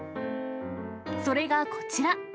それがこちら。